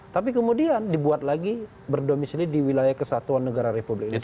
tapi kemudian dibuat lagi berdomisili di wilayah kesatuan negara republik indonesia